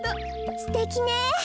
すてきね。